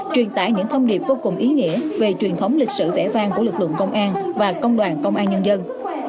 truyền tải những thông điệp vô cùng ý nghĩa về truyền thống lịch sử vẽ vang của lực lượng công an và công đoàn công an nhân dân